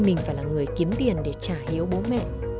mình phải là người kiếm tiền để trả hiếu bố mẹ